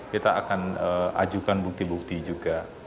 kita akan ajukan bukti bukti juga